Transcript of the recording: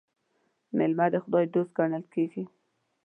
مېلمه د خداى دوست ګڼل کېږي.